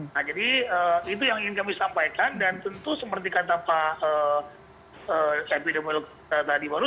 nah jadi itu yang ingin kami sampaikan dan tentu seperti kata pak epidemiolog tadi baru